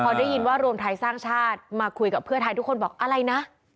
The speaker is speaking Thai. พอได้ยินว่ารวมไทยสร้างชาติมาคุยกับเพื่อไทยทุกคนบอกอะไรนะ